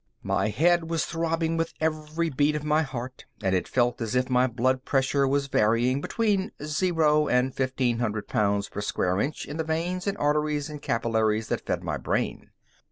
My head was throbbing with every beat of my heart, and it felt as if my blood pressure was varying between zero and fifteen hundred pounds per square inch in the veins and arteries and capillaries that fed my brain.